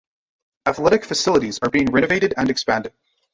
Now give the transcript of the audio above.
Athletic facilities are being renovated and expanded.